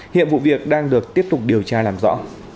hiện vụ việc đang được tiếp tục điều tra làm rõ